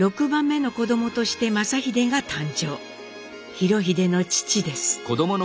裕英の父です。